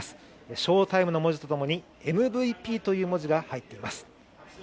翔タイムの文字とともにＭＶＰという文字が入っています。